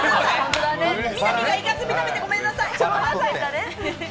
みなみがイカスミ食べてごめんなさい。